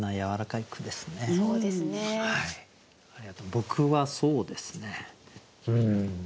僕はそうですねうん。